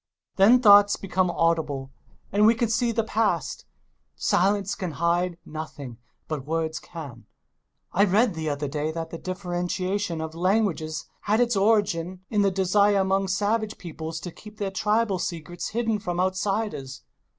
Then thoughts become audible, and we can see the past. Silence can hide nothing — ^but words can. I read the other day that the differentiation of languages had its origin in the desire among savage peoples to keep their tribal secrets hidden from outsiders.